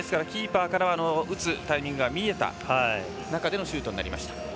キーパーからは打つタイミングが見えた中でのシュートとなりました。